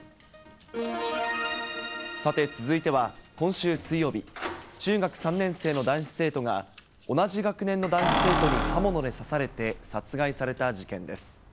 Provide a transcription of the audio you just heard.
さて、続いては今週水曜日、中学３年生の男子生徒が、同じ学年の男子生徒に刃物で刺されて殺害された事件です。